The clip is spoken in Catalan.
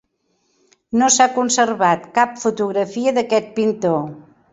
No s'ha conservat cap fotografia d'aquest pintor.